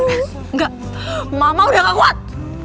enggak mama udah gak kuat